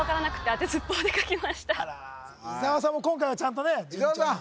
あら伊沢さんも今回はちゃんとね伊沢さん